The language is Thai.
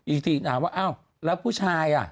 อีกทีถามว่าอ้าวแล้วผู้ชายอ่ะ